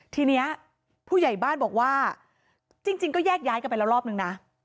ทีนี้ผู้ใหญ่บ้านบอกว่าจริงก็แยกย้ายกันไปแล้วรอบนึงนะ